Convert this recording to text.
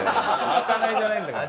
賄いじゃないんだから。